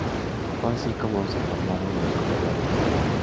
Fue así como se formaron los “corredores del aire".